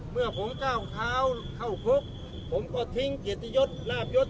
เมื่อผมก้าวเท้าเข้าคุกผมก็ทิ้งเกียรติยศลาบยศ